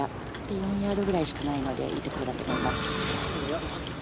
４ヤードくらいしかないのでいいところだと思います。